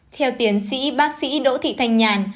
theo tiến sĩ bác sĩ đỗ thị thanh nhàn